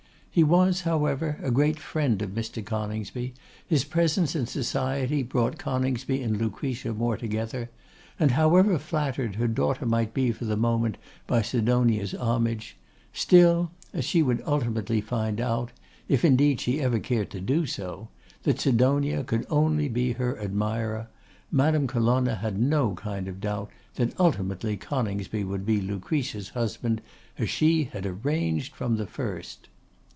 He was, however, a great friend of Mr. Coningsby, his presence and society brought Coningsby and Lucretia more together; and however flattered her daughter might be for the moment by Sidonia's homage, still, as she would ultimately find out, if indeed she ever cared so to do, that Sidonia could only be her admirer, Madame Colonna had no kind of doubt that ultimately Coningsby would be Lucretia's husband, as she had arranged from the first.